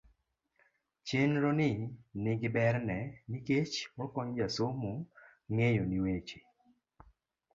chenro ni ni gi ber ne nikech okonyo jasomo ng'eyo ni weche